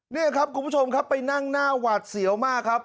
นี่ครับคุณผู้ชมครับไปนั่งหน้าหวาดเสียวมากครับ